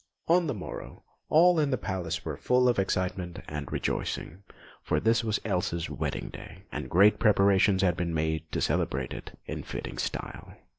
On the morrow, all in the palace were full of excitement and rejoicing, for this was Elsa's wedding day, and great preparations had been made to celebrate it in fitting style.